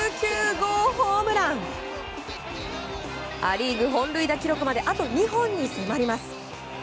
ア・リーグ本塁打記録まであと２本に迫ります。